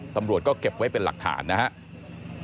ตำรวจก็เก็บไว้เป็นหลักฐานนะครับ